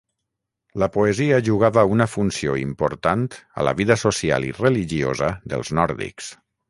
La poesia jugava una funció important a la vida social i religiosa dels nòrdics.